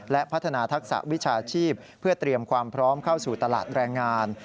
และพัฒนาทักษะวิชาชีพเพื่อเตรียมความพร้อมเข้าสู่ตลาดแรงงาน